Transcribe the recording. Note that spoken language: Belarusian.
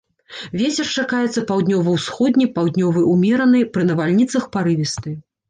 Вецер чакаецца паўднёва-ўсходні, паўднёвы ўмераны, пры навальніцах парывісты.